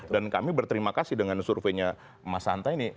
dan kami berterima kasih dengan surveinya mas hanta ini